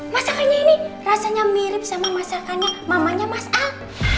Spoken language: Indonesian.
masakannya ini rasanya mirip sama masakannya mamanya mas ah